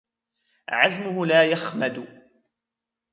عزمهُ لا يخمدُ